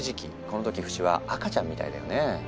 この時フシは赤ちゃんみたいだよね。